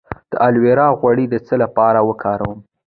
د الوویرا غوړي د څه لپاره وکاروم؟